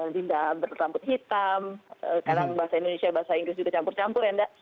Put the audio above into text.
dinda bertamput hitam kadang bahasa indonesia bahasa inggris juga campur campur ya dinda